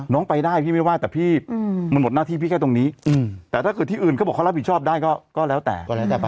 ไปได้พี่ไม่ว่าแต่พี่มันหมดหน้าที่พี่แค่ตรงนี้แต่ถ้าเกิดที่อื่นเขาบอกเขารับผิดชอบได้ก็แล้วแต่ก็แล้วแต่ไป